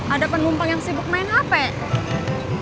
ada penumpang yang sibuk main hp